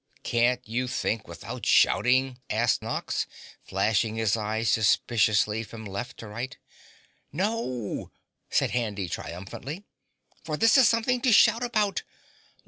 "Can't you think without shouting?" asked the Ox, flashing his eyes suspiciously from left to right. "No," said Handy triumphantly, "for this is something to shout about.